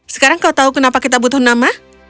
sekarang kau tahu kenapa kita butuh nama